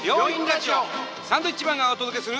サンドウィッチマンがお届けする。